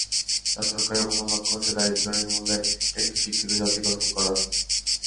তাঁর সরকারের প্রধান লক্ষ্য হচ্ছে দারিদ্র্য নির্মূলে একটি শিক্ষিত জাতি গঠন করা।